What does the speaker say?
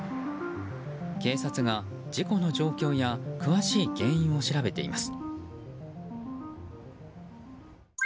警察が事故の状況や詳しい原因を調べています。